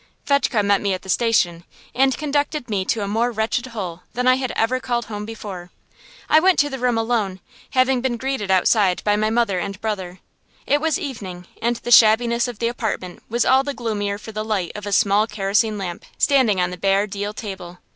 Fetchke met me at the station, and conducted me to a more wretched hole than I had ever called home before. I went into the room alone, having been greeted outside by my mother and brother. It was evening, and the shabbiness of the apartment was all the gloomier for the light of a small kerosene lamp standing on the bare deal table.